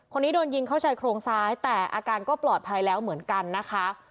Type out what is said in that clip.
คนนี้โดนยิงเข้าชายโครงซ้ายแต่อาการก็ปลอดภัยแล้วเหมือนกันนะคะ